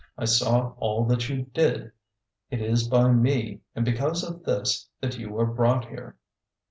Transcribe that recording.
I saw all that you did. It is by me, and because of this, that you are brought here.